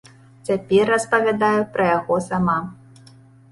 Цяпер распавядаю пра яго сама.